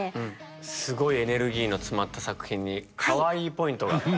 すごいエネルギーの詰まった作品にかわいいポイントがあると。